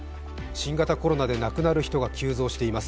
新型コロナで亡くなる人が急増しています。